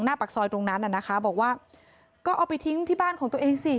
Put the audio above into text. ปากซอยตรงนั้นน่ะนะคะบอกว่าก็เอาไปทิ้งที่บ้านของตัวเองสิ